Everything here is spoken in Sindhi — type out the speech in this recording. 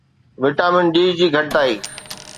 وٽامن ڊي جي گھٽتائي